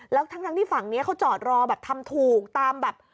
แล้วทั้งที่ฝั่งนี้เขาจอดรอแบบทำถูกตามแบบ